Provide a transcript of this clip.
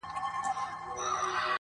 o اوبه د سر د پاله خړېږي٫